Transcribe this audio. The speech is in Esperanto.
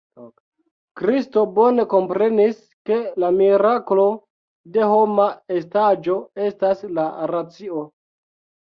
Kristo bone komprenis, ke la miraklo de homa estaĵo estas la racio.